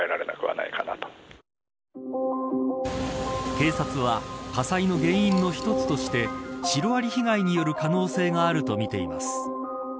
警察は火災の原因の一つとしてシロアリ被害による可能性があるとみています。